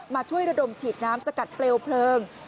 ช่วยระดมฉีดน้ำสกัดเปลวเพลิง